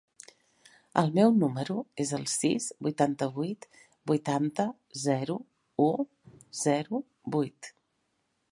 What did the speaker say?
El meu número es el sis, vuitanta-vuit, vuitanta, zero, u, zero, vuit.